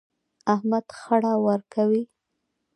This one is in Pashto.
احمد خړه ورکوي.